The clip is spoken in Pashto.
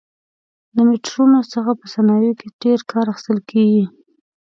له میټرونو څخه په صنایعو کې ډېر کار اخیستل کېږي.